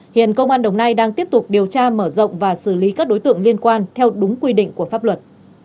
hiện công an đồng nai đang tiếp tục điều tra mở rộng và xử lý các đối tượng liên quan theo đúng quy định của pháp luật